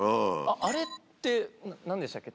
あれって何でしたっけ？